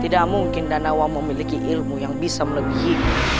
tidak mungkin danau memiliki ilmu yang bisa melebihi